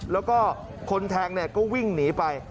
แล้วก็คนแทงก็วิ่งหนีไป